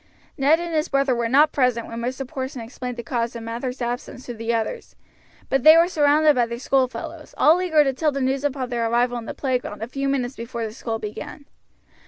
Ned and his brother were not present when Mr. Porson explained the cause of Mather's absence to the others, but they were surrounded by their schoolfellows, all eager to tell the news upon their arrival in the playground a few minutes before the school began.